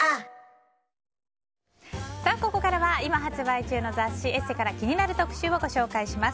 ここからは今発売中の雑誌「ＥＳＳＥ」から気になる特集をご紹介します。